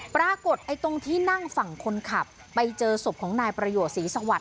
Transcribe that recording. ปรากฏไอ้ตรงที่นั่งฝั่งคนขับไปเจอศพของนายประโยชนศรีสวัสด